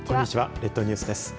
列島ニュースです。